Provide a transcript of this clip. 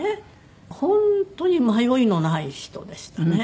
本当に迷いのない人でしたね。